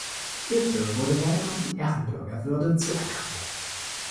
Hierfür wurde Woyna die Ehrenbürgerwürde zuerkannt.